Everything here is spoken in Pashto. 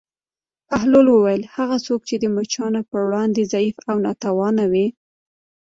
بهلول وویل: هغه څوک چې د مچانو پر وړاندې ضعیف او ناتوانه وي.